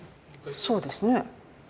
そうですね。